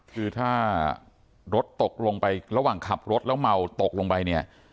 คือถ้ารถตกลงไประหว่างขับรถแล้วเมาตกลงไปเนี่ย